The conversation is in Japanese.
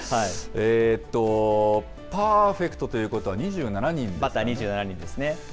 えーと、パーフェクトということバッター２７人ですね。